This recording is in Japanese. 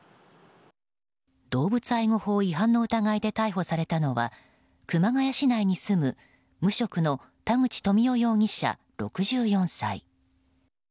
動物愛護法違反の疑いで逮捕されたのは熊谷市内に住む無職の田口富夫容疑者、６４歳。